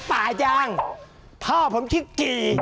อย่าบอกใครนะเจ้าว่าเจอจ้ะที่นี่